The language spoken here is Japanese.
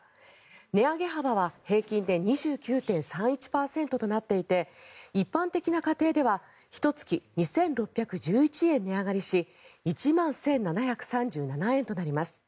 値上げ幅は平均で２９．３１％となっていて一般的な家庭ではひと月２６１１円値上がりし１万１７３７円となります。